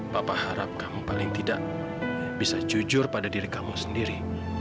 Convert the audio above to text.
bapak harap kamu paling tidak bisa jujur pada diri kamu sendiri